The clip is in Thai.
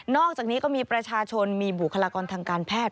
อกจากนี้ก็มีประชาชนมีบุคลากรทางการแพทย์